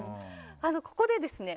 ここでですね